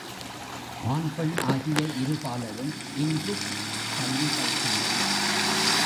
ஆண் பெண் ஆகிய இரு பாலரும் இங்குக் கல்வி பயில்கின்றனர்.